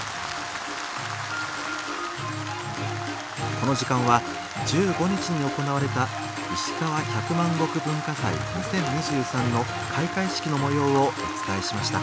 この時間は１５日に行われた「いしかわ百万石文化祭２０２３」の開会式の模様をお伝えしました。